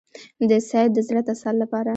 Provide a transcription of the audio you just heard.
د سید د زړه تسل لپاره.